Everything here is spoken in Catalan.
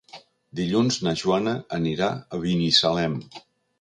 Dilluns na Joana anirà a Binissalem.